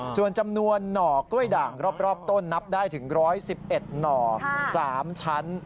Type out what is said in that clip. ส่วนจำนวนหน่อกล้วยด่างรอบต้นนับได้ถึง๑๑๑หน่อ๓ชั้น